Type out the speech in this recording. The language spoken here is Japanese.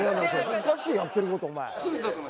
おかしいよやってる事お前。